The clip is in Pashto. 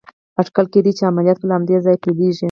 اټکل کېده چې عملیات به له همدې ځایه پيلېږي.